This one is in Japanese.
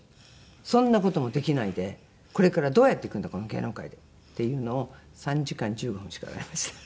「そんな事もできないでこれからどうやっていくんだこの芸能界で」っていうのを３時間１５分叱られました。